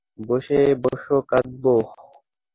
বসে বসো কাঁদবো?